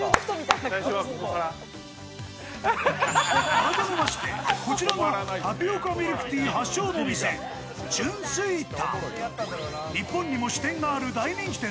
改めましてこちらがタピオカミルクティー発祥の店春水堂。